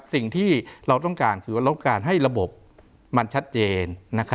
สิ่งที่เราต้องการคือว่าเราต้องการให้ระบบมันชัดเจน